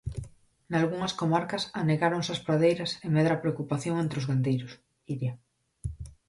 Nalgunhas comarcas anegáronse as pradeiras e medra a preocupación entre os gandeiros, Iria.